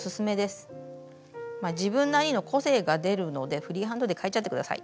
自分なりの個性が出るのでフリーハンドで描いちゃって下さい。